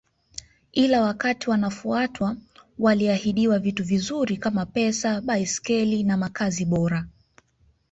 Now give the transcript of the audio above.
Ila wakati wanafuatwa waliahidiwa vitu vizuri kama Pesa Baiskeli na Makazi bora